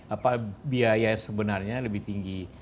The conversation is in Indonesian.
apa biaya yang sebenarnya lebih tinggi